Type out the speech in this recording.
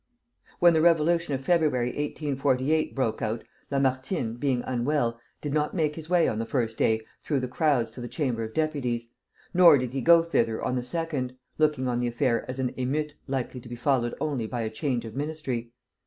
When the revolution of February, 1848, broke out, Lamartine, being unwell, did not make his way on the first day through the crowds to the Chamber of Deputies, nor did he go thither on the second, looking on the affair as an émeute likely to be followed only by a change of ministry.